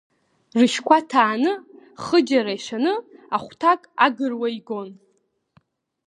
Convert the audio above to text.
Рыжьқәа ҭааны, хыџьара ишаны хәҭак агыруа игон.